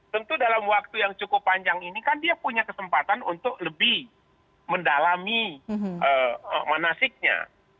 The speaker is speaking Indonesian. tentu dalam waktu yang cukup panjang ini kan dia punya kesempatan untuk lebih mendalami manasiknya